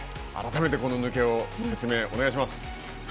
改めて、この抜けを説明お願いします。